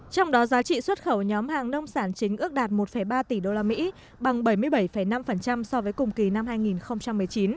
trong đó giá trị xuất khẩu nhóm hàng nông sản chính ước đạt một ba tỷ usd bằng bảy mươi bảy năm so với cùng kỳ năm hai nghìn một mươi chín